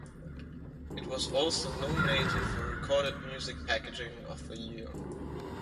It was also nominated for Recorded Music Packaging of the Year.